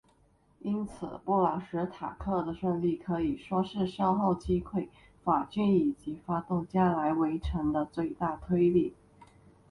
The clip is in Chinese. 因此布朗什塔克的胜利可以说是稍后击溃法军以及发动加莱围城的最大推力。